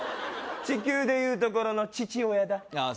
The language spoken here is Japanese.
地球で言うところの父親だあ